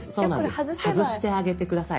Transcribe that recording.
外してあげて下さい。